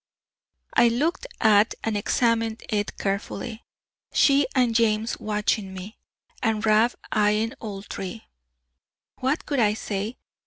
I looked at and examined it carefully, she and James watching me, and Rab eying all three. What could I say?